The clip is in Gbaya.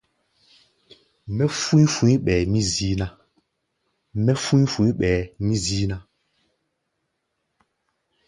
Mɛ́ fú̧í̧ fu̧í̧ ɓɛɛ mí zíí ná.